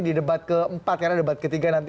di debat keempat karena debat ketiga nanti